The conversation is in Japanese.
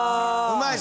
うまい。